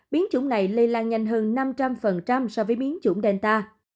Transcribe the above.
biến chủng này lây lan nhanh hơn năm trăm linh so với biến chủng delta